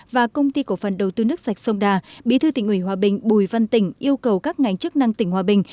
và công ty cổ phần đầu tư nước sạch sông đà bí thư tỉnh ủy hòa bình bùi văn tỉnh yêu cầu các ngành chức năng tỉnh hòa bình